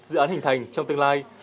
dự án hình thành trong tương lai